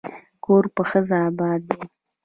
کور په ښځه اباد دی.